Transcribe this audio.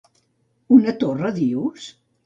Una torra, dius?